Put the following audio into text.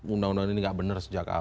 undang undang ini gak benar sejak awal